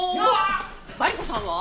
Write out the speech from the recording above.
マリコさんは？